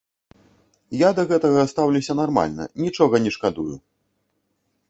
Я да гэтага стаўлюся нармальна, нічога не шкадую.